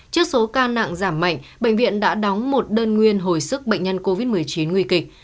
trước số ca nặng giảm mạnh bệnh viện đã đóng một đơn nguyên hồi sức bệnh nhân covid một mươi chín nguy kịch